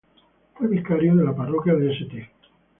Fue vicario de la parroquia de St.